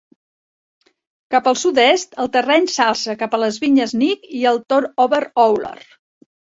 Cap al sud-est el terreny s'alça cap a les vinyes Nick i el tor Over Owler.